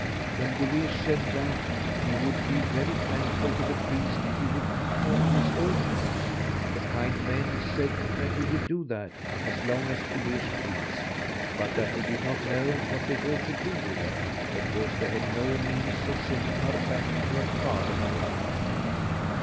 When Guleesh said that he would be very thankful to the priest if he would keep her in his own house, the kind man said he would do that as long as Guleesh pleased, but that he did not know what they ought to do with her, because they had no means of sending her back to her father again.